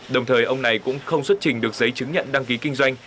đồng thời ông này cũng không xuất trình được giấy chứng nhận đăng ký kinh doanh